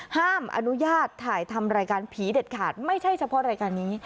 ห้ามอนุญาตถ่ายทำรายการผีเด็ดขาดไม่ใช่เฉพาะรายการนี้